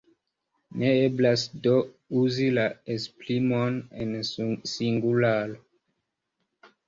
Ne eblas do uzi la esprimon en singularo.